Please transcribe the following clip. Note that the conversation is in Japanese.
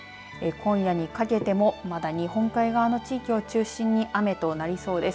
今夜にかけてもまだ日本海側の地域を中心に雨となりそうです。